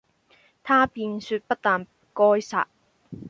他便説不但該殺，